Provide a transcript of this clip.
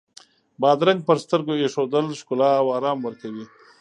بادرنګ پر سترګو ایښودل ښکلا او آرام ورکوي.